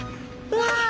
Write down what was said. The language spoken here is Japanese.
うわ！